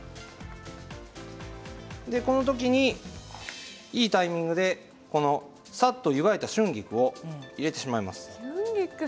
このときに、いいタイミングでさっと湯がいた春菊を入れてしまいます。